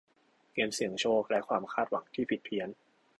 เกมเสี่ยงโชคและความคาดหวังที่ผิดเพี้ยน